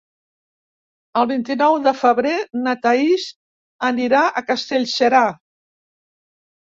El vint-i-nou de febrer na Thaís anirà a Castellserà.